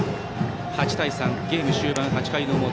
８対３、ゲーム終盤８回の表。